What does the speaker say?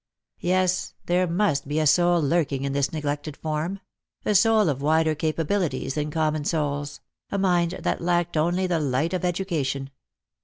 Yes, there must be a soul lurking in this neglected form — a soul of wider capabilities than com mon souls — a mind that lacked only the light of education.